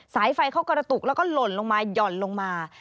สายไฟเขากระตุกแล้วก็หล่นลงมาหย่อนลงมา